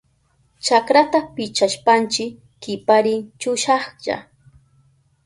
Chakrata pichashpanchi kiparin chushahlla.